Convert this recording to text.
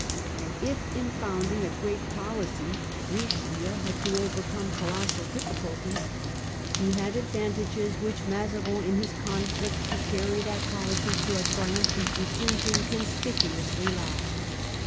And if, in founding a great policy, Richelieu had to overcome colossal diffi culties, he had advantages which Mazarin, in his conflict to carry that policy to a triumphant conclusion, con spicuously lacked.